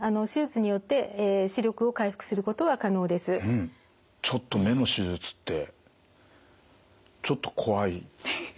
ただちょっと目の手術ってちょっと怖い怖い。